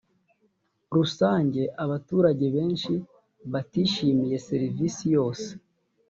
rusange abaturage benshi batishimiye serivisi yose